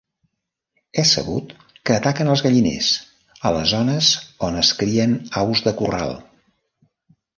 És sabut que ataquen els galliners, a les zones on es crien aus de corral.